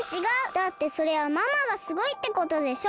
だってそれはママがすごいってことでしょ！